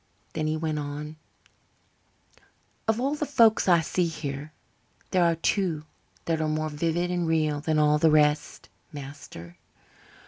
Then he went on: "Of all the folks I see here there are two that are more vivid and real than all the rest, master.